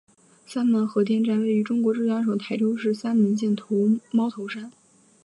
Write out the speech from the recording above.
三门核电站位于中国浙江省台州市三门县猫头山。